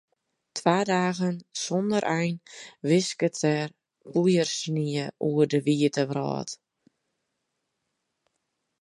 Twa dagen sonder ein wisket der poeiersnie oer de wite wrâld.